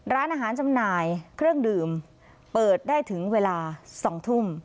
ร้านอาหารจำหน่ายเครื่องดื่มเปิดได้ถึงเวลา๒ทุ่ม